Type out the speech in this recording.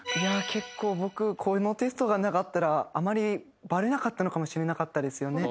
僕このテストがなかったらあまりバレなかったのかもしれなかったですよね。